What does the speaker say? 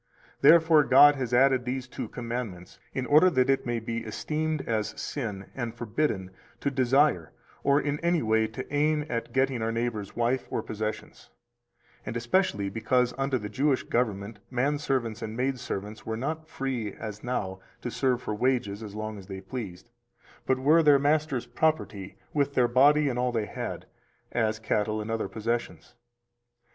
Therefore God has added these two commandments in order that it be esteemed as sin and forbidden to desire or in any way to aim at getting our neighbor's wife or possessions; 294 and especially because under the Jewish government man servants and maid servants were not free as now to serve for wages as long as they pleased, but were their master's property with their body and all they had, as cattle and other possessions.